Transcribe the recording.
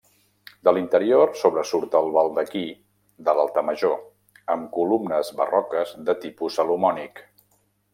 De l'interior sobresurt el baldaquí de l'altar major, amb columnes barroques de tipus salomònic.